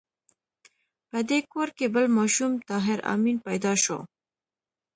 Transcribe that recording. په دې کور کې بل ماشوم طاهر آمین پیدا شو